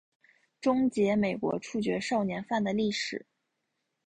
终结美国处决少年犯的历史。